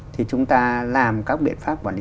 thì chúng ta làm các biện pháp quản lý